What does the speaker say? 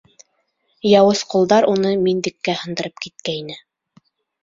Яуыз ҡулдар уны миндеккә һындырып киткәйне.